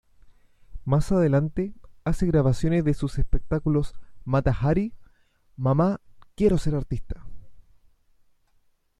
Más adelante, hace grabaciones de sus espectáculos "Mata Hari", "¡Mamá, quiero ser artista!